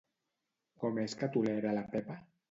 Com és que tolera la Pepa?